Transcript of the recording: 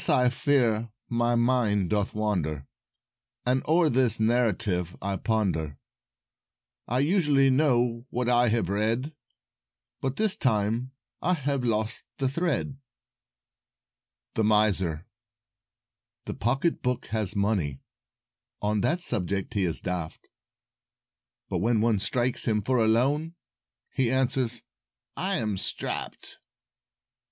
I fear my mind doth wander. As o'er this narrative I ponder; I usually know what I have read, But this time I have lost the Thread." [Illustration: Thoughts Unstrung] THE MISER The Pocketbook has money, On that subject he is daft; But when one strikes him for a loan He answers, "I am strapped."